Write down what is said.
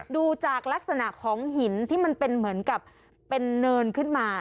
ดูจากลักษณะของหินที่มันเป็นเหมือนกับเป็นเนินขึ้นมา